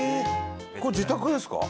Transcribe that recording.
これ自宅ですか？